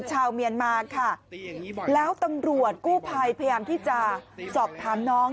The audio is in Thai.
ชาวเมียนมาค่ะแล้วตำรวจกู้ภัยพยายามที่จะสอบถามน้อง